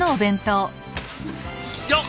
よっ！